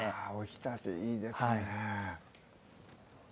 あおひたしいいですね